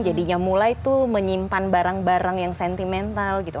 jadinya mulai tuh menyimpan barang barang yang sentimental gitu